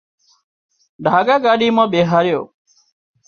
ڍاڳا ڳاڏي مان ٻيهاريو